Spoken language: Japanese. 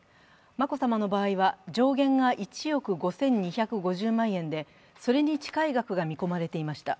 眞子さまの場合は、上限が１億５２５０万円で、それに近い額が見込まれていました。